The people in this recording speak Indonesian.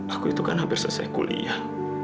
aku itu kan hampir selesai kuliah